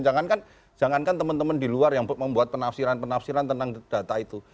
jangankan jangankan teman teman di luar yang membuat penafsiran penafsiran tentang data itu